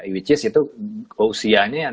which is itu usianya yang